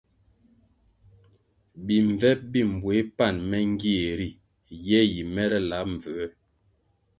Bimbvep bi mbueh pan me ngie ri ye yi mere lab mbvuē,